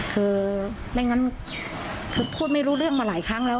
คือไม่งั้นคือพูดไม่รู้เรื่องมาหลายครั้งแล้ว